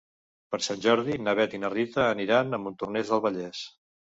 Per Sant Jordi na Bet i na Rita aniran a Montornès del Vallès.